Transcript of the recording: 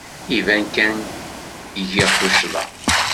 Iban kan giɣ tuccḍa.